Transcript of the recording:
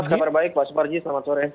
sore mas kabar baik pak subparji selamat sore